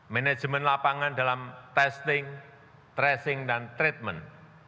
manajemen lapangan dalam testing tracing dan treatment